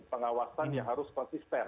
pengawasan yang harus konsisten